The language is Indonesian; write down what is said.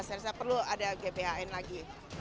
saya rasa perlu ada gbhn lagi